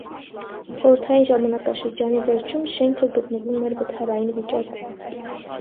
Խորհրդային ժամանակաշրջանի վերջում շենքը գտնվում էր վթարային վիճակում։